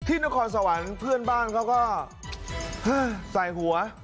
นครสวรรค์เพื่อนบ้านเขาก็ใส่หัว